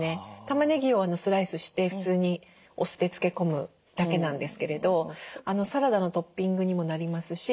たまねぎをスライスして普通にお酢で漬け込むだけなんですけれどサラダのトッピングにもなりますし